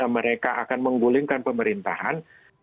mereka akan menggulingkan pemerintahan